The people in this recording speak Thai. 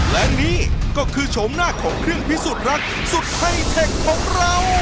และนี่ก็คือโฉมหน้าของเครื่องพิสูจน์รักสุดไฮเทคของเรา